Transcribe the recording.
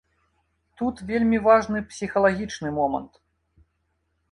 Тут вельмі важны псіхалагічны момант.